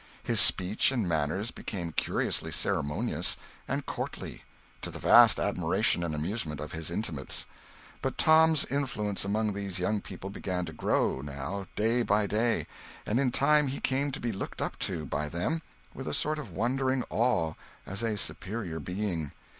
His speech and manners became curiously ceremonious and courtly, to the vast admiration and amusement of his intimates. But Tom's influence among these young people began to grow now, day by day; and in time he came to be looked up to, by them, with a sort of wondering awe, as a superior being.